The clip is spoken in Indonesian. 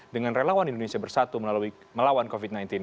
dengan relawan indonesia bersatu melawan covid sembilan belas